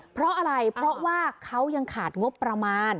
เพราะอะไรเพราะว่าเขายังขาดงบประมาณ